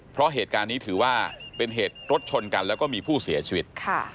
เพราะเหตุการณ์นี้ถือว่าเป็นเหตุรถชนกันแล้วก็มีผู้เสียชีวิต